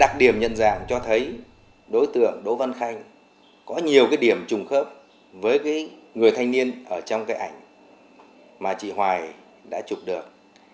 đặc điểm nhận dạng cho thấy đối tượng đỗ văn khanh có nhiều cái điểm trùng khớp với người thanh niên ở trong cái ảnh mà chị hoài đã chụp được